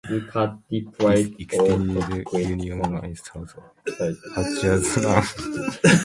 This extended the Union line south of Hatcher's Run.